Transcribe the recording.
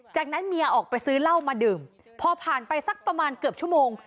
จากนั้นเมียออกไปซื้อเหล้ามาดื่มพอผ่านไปสักประมาณเกือบชั่วโมง